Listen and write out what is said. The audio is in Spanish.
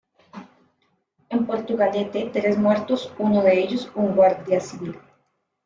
En Portugalete tres muertos, uno de ellos un guardia civil.